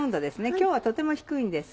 今日はとても低いんです。